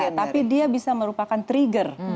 tidak tapi dia bisa merupakan trigger terhadap penyakit